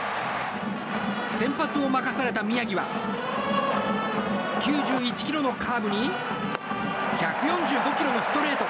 先発を任された宮城は９１キロのカーブに１４５キロのストレート。